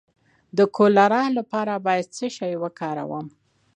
د کولرا لپاره باید څه شی وکاروم؟